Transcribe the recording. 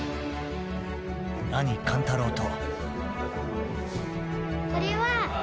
［兄勘太郎と］